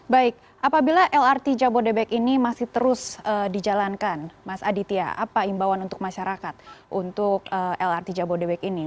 baik apabila lrt jabodebek ini masih terus dijalankan mas aditya apa imbauan untuk masyarakat untuk lrt jabodebek ini